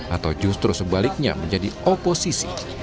atau justru sebaliknya menjadi oposisi